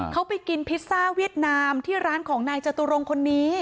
เขาไปกินพิซซ่าเวียดนามที่ร้านของนายจตุรงค์คนนี้